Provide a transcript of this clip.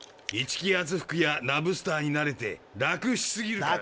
一気圧服やナブスターに慣れて楽しすぎる。